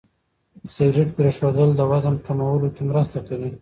سګرېټ پرېښودل د وزن کمولو کې مرسته کوي.